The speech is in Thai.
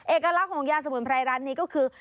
เอกลักษณ์ของยาสมุนไพรร้านนี้ก็คือ